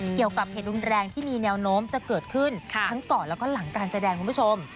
เกี่ยวกับเหตุรุนแรงที่มีแนวโน้มจะเกิดขึ้นทั้งก่อนแล้วก็หลังการแสดงคุณผู้ชม